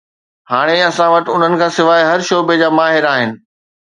هاڻي اسان وٽ انهن کان سواءِ هر شعبي جا ماهر آهن